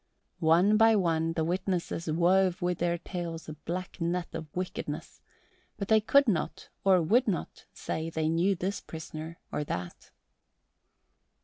One by one the witnesses wove with their tales a black net of wickedness, but they could not or would not say they knew this prisoner or that.